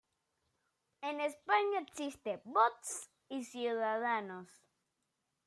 En España existe Vox y Ciudadanos.